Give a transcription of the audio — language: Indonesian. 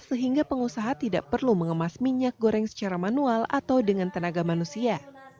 sehingga pengusaha tidak perlu mengemas minyak goreng secara manual atau dengan tenaga manusia